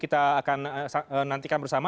kita akan nantikan bersama